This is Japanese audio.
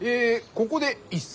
ここで一席。